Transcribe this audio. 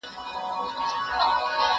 زه پرون د کتابتون کتابونه لوستل کوم!؟